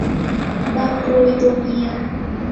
บังโกรยตัวเมีย